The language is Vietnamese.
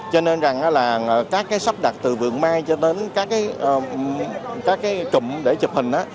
cho nên rằng là các cái sắp đặt từ vườn mai cho đến các cái trụm để chụp hình